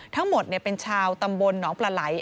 ทั้งหมดเป็นชาวตำบลหนองปลาไหล